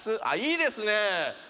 あっいいですねえ。